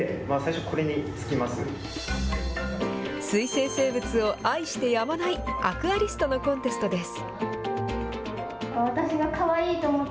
水生生物を愛してやまないアクアリストのコンテストです。